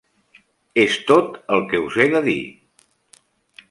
És tot el que us he de dir!